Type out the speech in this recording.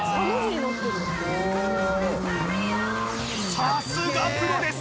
さすがプロです